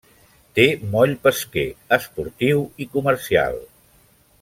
Té moll pesquer, esportiu i comercial.